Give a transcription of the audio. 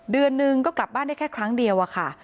เดือนหนึ่งก็กลับบ้านได้แค่ครั้งเดียวอะค่ะ